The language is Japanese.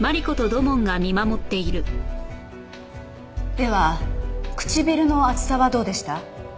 では唇の厚さはどうでした？